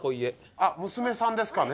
あっ娘さんですかね？